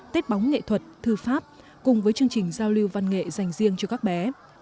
tết bóng nghệ thuật thư pháp cùng với chương trình giao lưu văn nghệ dành riêng cho các bé